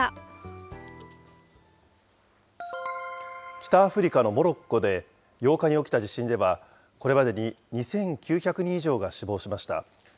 北アフリカのモロッコで８日に起きた地震では、これまでに２９００人以上が死亡しました。